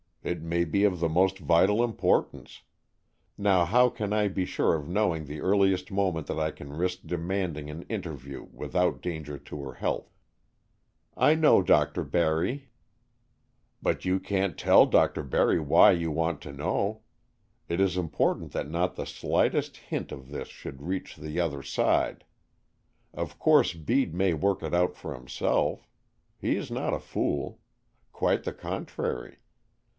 It may be of the most vital importance. Now how can I be sure of knowing the earliest moment that I can risk demanding an interview without danger to her health?" "I know Dr. Barry." "But you can't tell Dr. Barry why you want to know. It is important that not the slightest hint of this should reach the other side. Of course Bede may work it out for himself. He is not a fool. Quite the contrary.